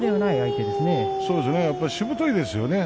しぶといですよね。